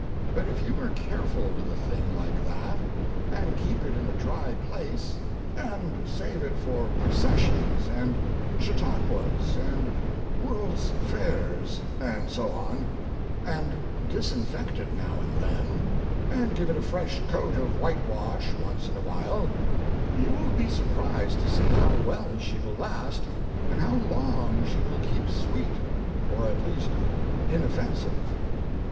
But if you are careful with a thing like that, and keep it in a dry place, and save it for processions, and Chautauquas, and World's Fairs, and so on, and disinfect it now and then, and give it a fresh coat of whitewash once in a while, you will be surprised to see how well she will last and how long she will keep sweet, or at least inoffensive.